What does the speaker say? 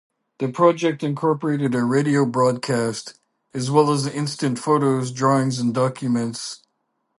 The project incorporated a radio broadcast, as well as instant photos, drawings and documents.